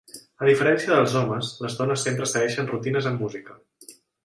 A diferència dels homes, les dones sempre segueixen rutines amb música.